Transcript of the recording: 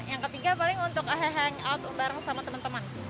yang ketiga paling untuk hangout bareng sama teman teman